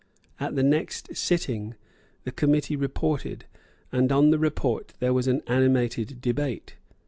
At the next sitting the Committee reported; and on the report there was an animated debate.